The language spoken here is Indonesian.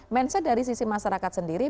mindset dari sisi masyarakat sendiri